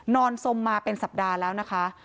สมมาเป็นสัปดาห์แล้วนะคะ